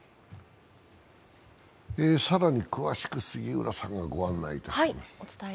更に詳しく、杉浦さんがご案内いたします。